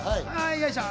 よいしょ！